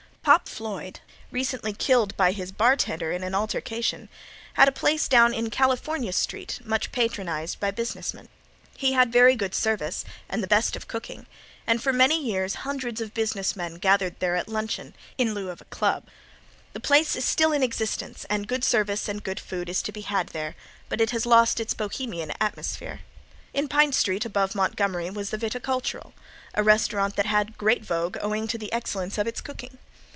Pop Floyd, recently killed by his bartender in an altercation, had a place down in California street much patronized by business men. He had very good service and the best of cooking, and for many years hundreds of business men gathered there at luncheon in lieu of a club. The place is still in existence and good service and good food is to be had there, but it has lost its Bohemian atmosphere. In Pine street above Montgomery was the Viticultural, a restaurant that had great vogue owing to the excellence of its cooking.